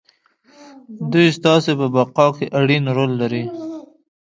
دوی ستاسې په بقا کې اړين رول لري.